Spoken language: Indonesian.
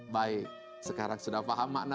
baik sekarang sudah paham makna